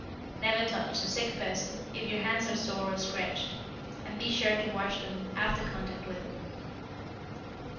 Never touch the sick person if your hands are sore or scratched, and be sure to wash them after contact with him.